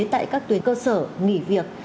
tại các tuyến cơ sở nghỉ việc